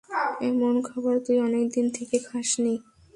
এমন খাবার তুই অনেক দিন থেকে খাসনি।